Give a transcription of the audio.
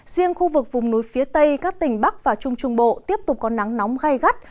riêng khu vực vùng núi phía tây các tỉnh bắc và trung trung bộ tiếp tục có nắng nóng gai gắt